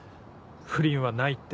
不倫はないって。